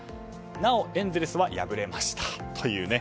なおエンゼルスは敗れました。